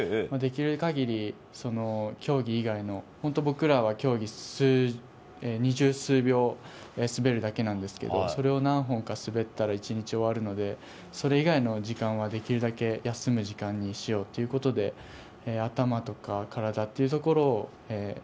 できる限り競技以外の本当、僕らは競技で二十数秒、滑るだけなんですけどそれを何本か滑ったら１日が終わるのでそれ以外の時間はできるだけ休む時間にしようということで頭とか体っていうところを。